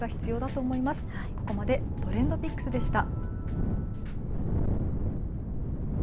ここまでＴｒｅｎｄＰｉｃｋｓでした。